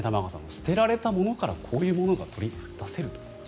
捨てられたものからこういうものが取り出せると。